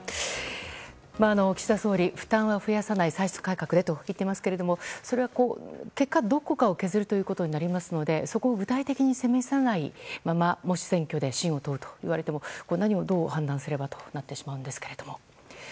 岸田総理、負担は増やさない歳出改革でと言っていますけれどもそれは、結果どこかを削ることになりますのでそこを具体的に示さないままもし、選挙で信を問うと言われても何をどう判断すればとなってしまうんですけども。